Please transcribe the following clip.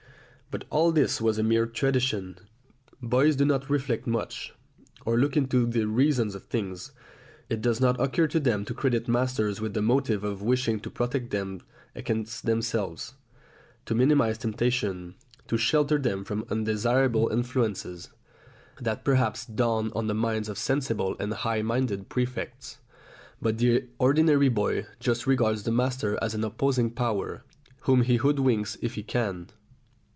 But all this was a mere tradition. Boys do not reflect much, or look into the reasons of things. It does not occur to them to credit masters with the motive of wishing to protect them against themselves, to minimise temptation, to shelter them from undesirable influences; that perhaps dawns on the minds of sensible and high minded prefects, but the ordinary boy just regards the master as an opposing power, whom he hoodwinks if he can.